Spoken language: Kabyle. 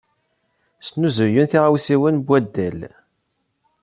Snuzuyen tiɣawsiwin n waddal.